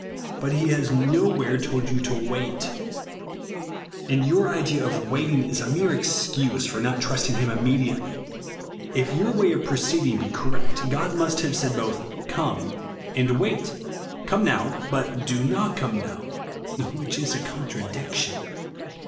But he has nowhere told you to wait ; and your idea of waiting is a mere excuse for not trusting him immediately. If your way of proceeding be correct, God must have 90 THE WORD OF THE said both, " C3me" and " wait," " Come now, but do not come now," w liich is a contra diction.